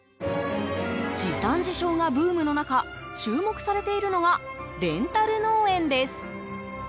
自産自消がブームの中注目されているのがレンタル農園です。